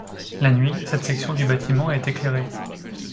La nuit, cette section du bâtiment est éclairée.